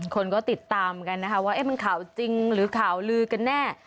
คนก็ติดตามกันนะคะว่ามันข่าวจริงหรือข่าวลือกันแน่